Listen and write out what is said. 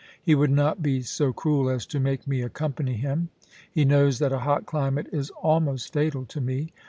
He would not be so cruel as to make me accompany him ; he knows that a hot climate is almost fatal to me.